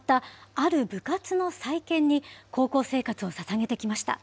ある部活の再建に高校生活をささげてきました。